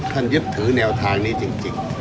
ยึดถือแนวทางนี้จริง